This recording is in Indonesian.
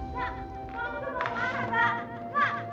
tunggu dulu pak